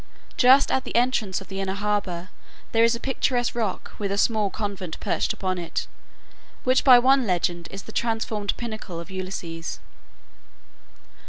Just at the entrance of the inner harbor there is a picturesque rock with a small convent perched upon it, which by one legend is the transformed pinnace of Ulysses.